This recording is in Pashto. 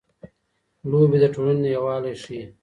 لوبې د ټولنې یووالی ښيي.